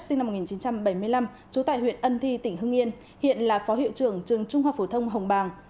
sinh năm một nghìn chín trăm bảy mươi năm trú tại huyện ân thi tỉnh hưng yên hiện là phó hiệu trưởng trường trung học phổ thông hồng bàng